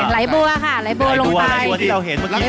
ใหม่กลับเป็นเขือเทศ